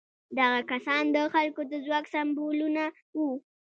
دغه کسان د خلکو د ځواک سمبولونه وو.